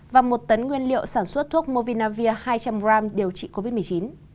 và một tấn nguyên liệu sản xuất thuốc movinavir hai trăm linh g điều trị covid một mươi chín